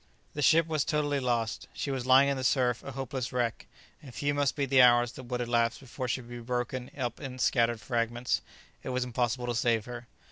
The ship was totally lost. She was lying in the surf a hopeless wreck, and few must be the hours that would elapse before she would be broken up in scattered fragments; it was impossible to save her.